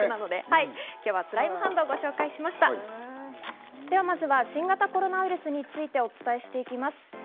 ではまずは新型コロナウイルスについてお伝えしていきます。